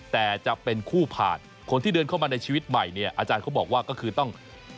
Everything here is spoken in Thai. แต่จะเป็นคู่ผ่านคนที่เดินเข้ามาในชีวิตใหม่เนี่ยอาจารย์เขาบอกว่าก็คือต้อง